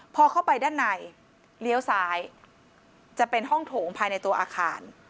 พอเข้าไปด้านในเลี้ยวซ้ายจะเป็นห้องโถงภายในตัวอาคาร